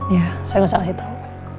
ya saya gak usah ngasih tau